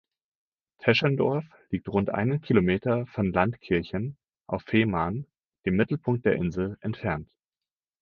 Teschendorf liegt rund einen Kilometer von Landkirchen auf Fehmarn, dem Mittelpunkt der Insel, entfernt.